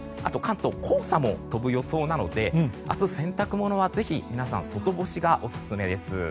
関東、黄砂も飛ぶ予想なので明日、洗濯物はぜひ皆さん外干しがオススメです。